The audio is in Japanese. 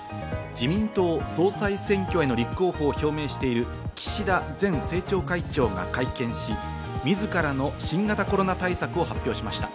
自民党総裁選挙への立候補を表明している岸田前政調会長が会見し、自らの新型コロナ対策を発表しました。